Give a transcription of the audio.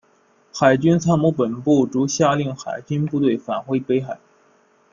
海军参谋本部遂下令海军部队返回北海。